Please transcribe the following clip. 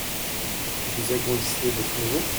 Vous agrandissez votre maison ?